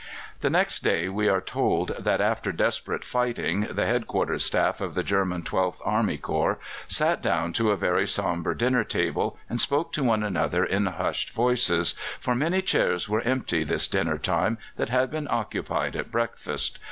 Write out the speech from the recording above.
The next day we are told that, after desperate fighting, the Head quarters Staff of the German 12th Army Corps sat down to a very sombre dinner table and spoke to one another in hushed voices, for many chairs were empty this dinner time that had been occupied at breakfast.